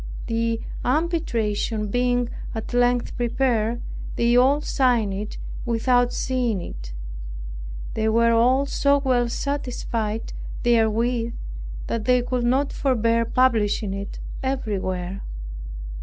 The arbitration being at length prepared, they all signed it without seeing it. They were all so well satisfied therewith, that they could not forbear publishing it everywhere.